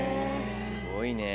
すごいね。